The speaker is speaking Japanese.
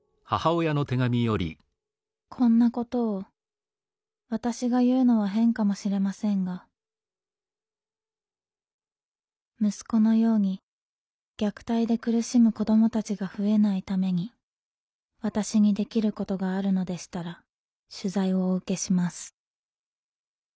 「こんなことを私が言うのは変かもしれませんが息子のように虐待で苦しむ子どもたちが増えないために私にできることがあるのでしたら取材をお受けします」。